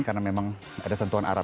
karena memang ada sentuhan arah